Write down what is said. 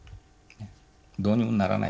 どうにもならない。